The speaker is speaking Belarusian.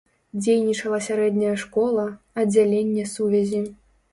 Дзейнічала сярэдняя школа, аддзяленне сувязі.